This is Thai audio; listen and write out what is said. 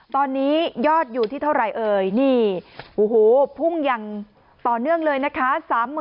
ตอนนี้ยอดอยู่ที่เท่าไหร่เอ่ยนี่โอ้โหพุ่งอย่างต่อเนื่องเลยนะคะ